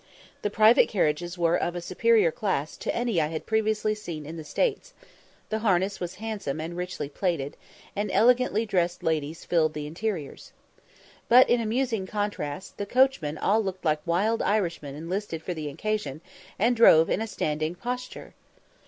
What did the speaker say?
The private carriages were of a superior class to any I had previously seen in the States; the harness was handsome and richly plated, and elegantly dressed ladies filled the interiors. But in amusing contrast, the coachmen all looked like wild Irishmen enlisted for the occasion, and drove in a standing posture.